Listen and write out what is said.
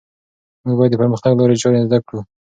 موږ باید د پرمختګ لارې چارې زده کړو.